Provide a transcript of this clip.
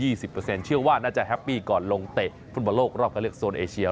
เชื่อว่าน่าจะแฮปปี้ก่อนลงเตะฟุตบอลโลกรอบการเลือกโซนเอเชีย